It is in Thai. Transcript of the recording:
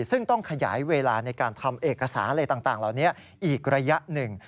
ซึ่งต้องขยายเวลาในการทำเอกสารอะไรต่างเหล่านี้อีกระยะหนึ่ง